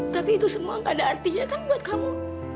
tapi itu semua gak ada artinya kan buat kamu